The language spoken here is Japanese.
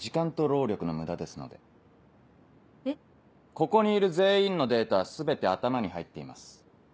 ここにいる全員のデータは全て頭に入っています。